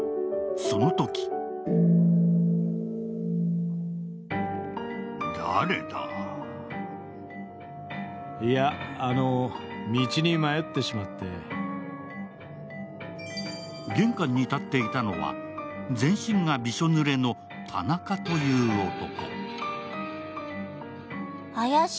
そのとき玄関に立っていたのは全身がびしょぬれの田中という男。